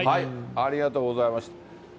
ありがとうございます。